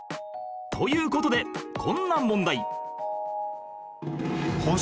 という事でこんな問題